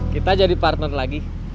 kita jadi partner lagi